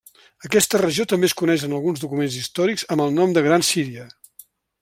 Aquesta regió també es coneix en alguns documents històrics amb el nom de Gran Síria.